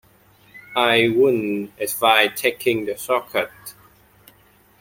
I wouldn't advise taking the shortcut